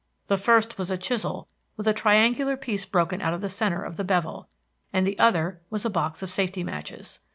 The first was a chisel with a triangular piece broken out of the centre of the bevel, and the other was a box of safety matches.